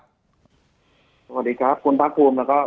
สวัสดีครับคุณภาคภูมิแล้วก็